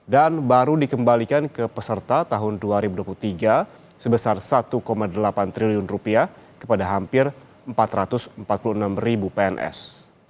dan baru dikembalikan ke peserta tahun dua ribu dua puluh tiga sebesar rp satu delapan triliun kepada hampir empat ratus empat puluh enam ribu pns